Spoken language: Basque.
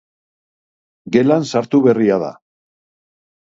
Gelan sartu berria da.